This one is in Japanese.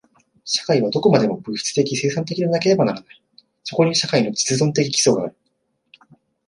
社会はどこまでも物質的生産的でなければならない。そこに社会の実在的基礎がある。